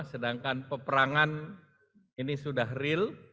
sedangkan peperangan ini sudah real